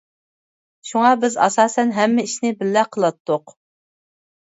شۇڭا بىز ئاساسەن ھەممە ئىشنى بىللە قىلاتتۇق.